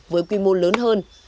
với quy mô lớn hơn